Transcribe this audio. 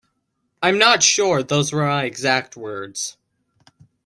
I'm not sure those were my exact words.